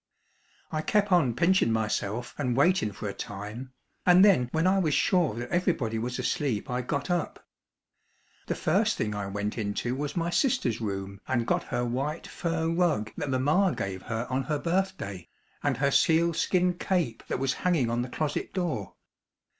I kep' on pinchin' myself and waitin' for a time, and then when I was sure that everybody was asleep I got up. The first thing I went into was my sister's room and got her white fur rug that mamma gave her on her birthday, and her sealskin cape that was hanging on the closet door.